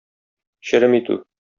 Черем итү.